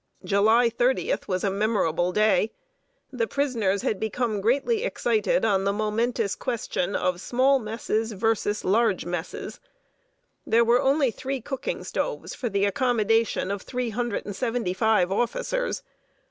July 30th was a memorable day. The prisoners had become greatly excited on the momentous question of small messes versus large messes. There were only three cooking stoves for the accommodation of three hundred and seventy five officers.